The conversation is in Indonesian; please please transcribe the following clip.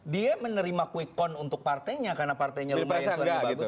dia menerima quick count untuk partainya karena partainya lumayan lebih bagus